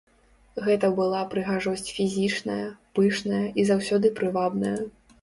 Гэта была прыгажосць фізічная, пышная і заўсёды прывабная.